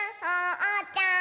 おうちゃん！